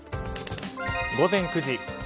午前９時。